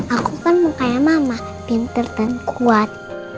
aku kan mau kayak mama pinter kan kuat